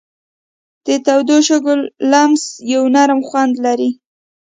د تودو شګو لمس یو نرم خوند لري.